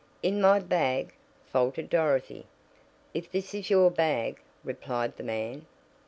"In my bag!" faltered Dorothy. "If this is your bag," replied the man.